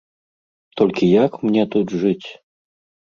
Толькі як мне тут жыць?